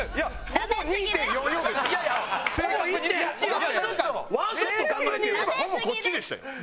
ほぼこっちでしたよ。